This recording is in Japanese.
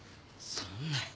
そんな。